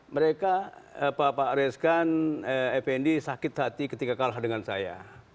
mereka pak reskan effendi sakit hati ketika kalah dengan saya